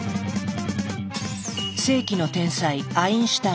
世紀の天才アインシュタイン。